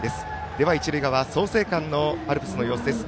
では一塁側、創成館のアルプスの様子です。